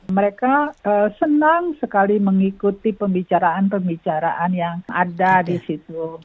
mereka senang sekali mengikuti pembicaraan pembicaraan yang ada di situ